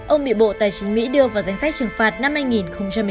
ông bị bộ tài chính mỹ đưa vào danh sách trừng phạt năm hai nghìn một mươi